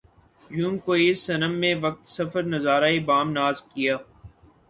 یوں کوئے صنم میں وقت سفر نظارۂ بام ناز کیا